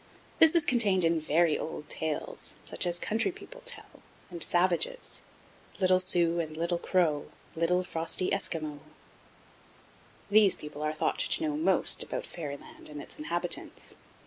This is contained in very old tales, such as country people tell, and savages: 'Little Sioux and little Crow, Little frosty Eskimo.' These people are thought to know most about fairyland and its inhabitants.